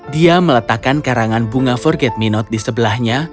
dia meletakkan karangan bunga forget me not di sebelahnya